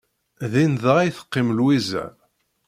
Din dɣa i teqqim Lwiza.